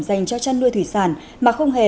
dành cho chăn nuôi thủy sản mà không hề